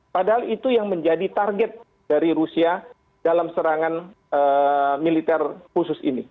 padahal itu yang menjadi target dari rusia dalam serangan militer khusus ini